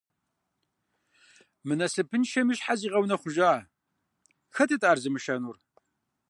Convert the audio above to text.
Мы насыпыншэми щхьэ зигъэунэхъужа? Хэтыт ар зымышэнур?